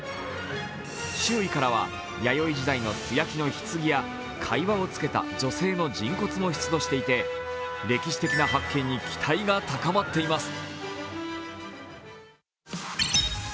周囲からは、弥生時代の素焼きのひつぎや貝輪をつけた女性も見つかっていて歴史的な発見に期待が高まっています。